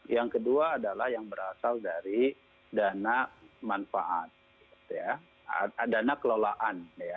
yang kedua adalah yang berasal dari dana manfaat dana kelolaan